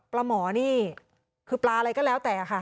ปลาหมอนี่คือปลาอะไรก็แล้วแต่ค่ะ